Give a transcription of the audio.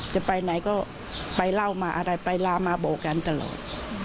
จะไปไหนก็ไปเล่ามาอะไรไปลามาบอกกันตลอด